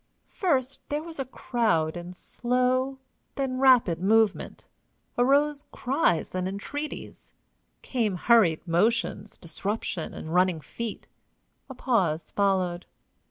First there was a crowd in slow, then rapid movement. Arose cries and entreaties. Came hurried motions, disruption, and running feet. A pause followed.